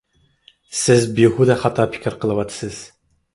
سىز بىھۇدە خاتا پىكىر قىلىۋاتىسىز!